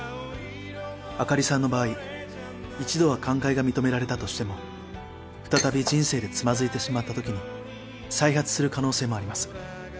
朱里さんの場合一度は寛解が認められたとしても再び人生でつまずいてしまった時に再発する可能性もあります。